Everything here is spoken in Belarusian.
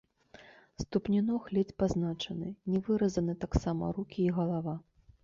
Ступні ног ледзь пазначаны, не выразаны таксама рукі і галава.